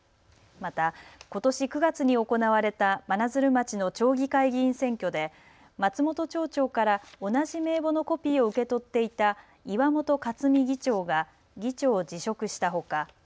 また、ことし９月に行われた真鶴町の町議会議員選挙で松本町長から同じ名簿のコピーを受け取っていた岩本克美議長が議長を辞職したほか。